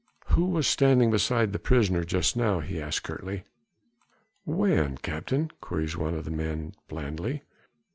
"Who was standing beside the prisoner just now?" he asks curtly. "When, captain?" queries one of the men blandly.